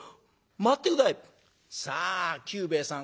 さあ久兵衛さん